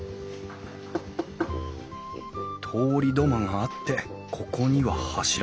通り土間があってここには柱。